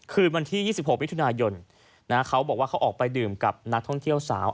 คืนวันที่๒๖มิถุนายนเขาบอกว่าเขาออกไปดื่มกับนักท่องเที่ยวสาว